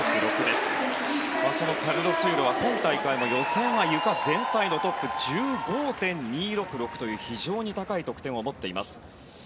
そのカルロス・ユーロは今大会もゆかは予選、全体のトップ。１５．２６６という非常に高い得点を持っています。